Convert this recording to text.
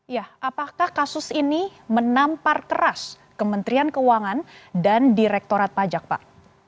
ya apakah kasus ini menampar keras kementerian keuangan dan direktorat pajak pak